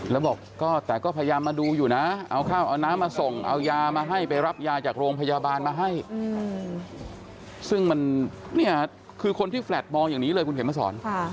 แล้วบอกก็แต่ก็พยายามมาดูอยู่นะเอาข้าวเอาน้ำมาส่งเอายามาให้ไปรับยาจากโรงพยาบาลมาให้ซึ่งมันเนี่ยคือคนที่แลตมองอย่างนี้เลยคุณเข็มมาสอน